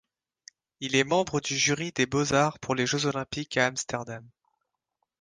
Il est membre du jury des Beaux-Arts pour les Jeux olympiques à Amsterdam.